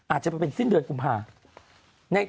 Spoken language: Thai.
อาจจะมาเป็นสิ้นเดือนกุมภา